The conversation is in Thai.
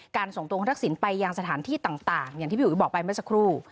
การส่งตัวคุณศักดิ์สินไปอย่างสถานที่ต่างอย่างที่ผิวบอกไปเมื่อสักครู่